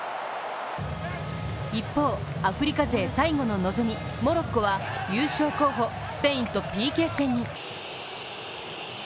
一方、アフリカ勢最後の望み、モロッコは優勝候補・スペインとＰＫ戦に。